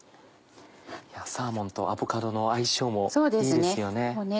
サーモンとアボカドの相性もいいですよね。